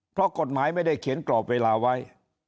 เพราะกฎหมายไม่ได้เขียนกรอบเวลาไว้